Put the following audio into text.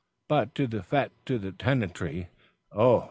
But the fête to the tenantry, oh!